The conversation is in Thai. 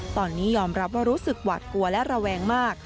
ตอนนี้ยอมรับว่ารู้สึกหวาดกลัวและระแวงมาก